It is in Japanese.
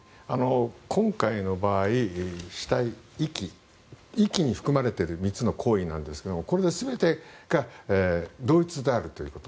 今回の場合、死体遺棄遺棄に含まれている３つの行為なんですがこれら全てが同一であるということ